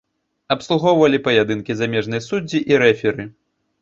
Абслугоўвалі паядынкі замежныя суддзі і рэферы.